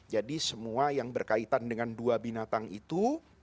jadi semua yang berkaitan dengan dua binatang itu